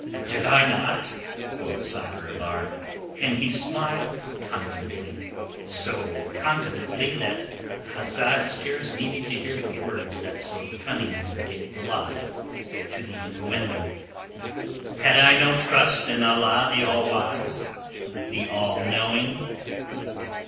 "Did I not?" quoth Sakr el Bahr, and he smiled confidently, so confidently that Asad scarce needed to hear the words that so cunningly gave the lie to the innuendo. "Had I no trust in Allah the All wise, the All knowing?